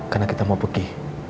karena kita mau pergi